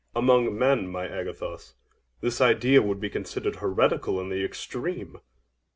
OINOS. Among men, my Agathos, this idea would be considered heretical in the extreme.